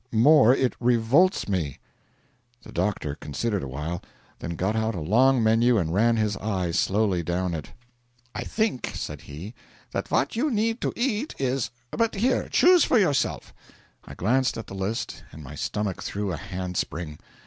'More, it revolts me.' The doctor considered awhile, then got out a long menu and ran his eye slowly down it. 'I think,' said he, 'that what you need to eat is but here, choose for yourself.' I glanced at the list, and my stomach threw a hand spring.